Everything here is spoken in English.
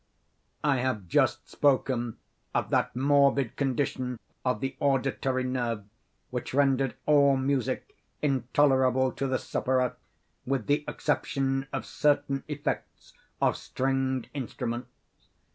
I have just spoken of that morbid condition of the auditory nerve which rendered all music intolerable to the sufferer, with the exception of certain effects of stringed instruments.